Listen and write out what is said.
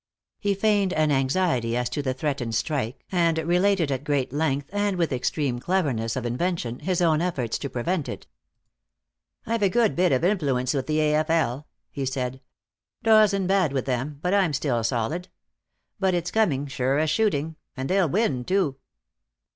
He feigned an anxiety as to the threatened strike, and related at great length and with extreme cleverness of invention his own efforts to prevent it. "I've a good bit of influence with the A.F.L.," he said. "Doyle's in bad with them, but I'm still solid. But it's coming, sure as shooting. And they'll win, too."